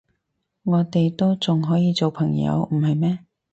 我哋都仲可以做朋友，唔係咩？